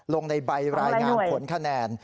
ลงในใบรายงานผลคะแนน